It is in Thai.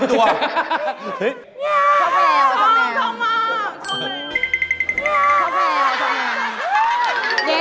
เย่ชอบแมว